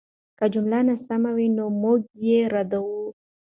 که جمله ناسمه وه، نو موږ یې ردوو.